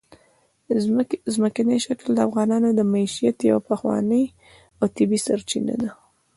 ځمکنی شکل د افغانانو د معیشت یوه پخوانۍ او طبیعي سرچینه ده.